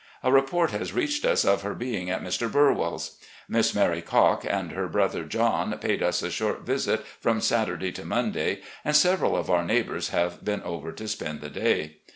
A report has reached us of her being at Mr. Bxuwell's. Miss Mary Cocke and her brother John paid us a short visit from Saturday to Monday, and several of our neighbors have been over to spend the day.